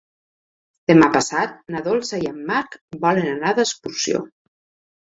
Demà passat na Dolça i en Marc volen anar d'excursió.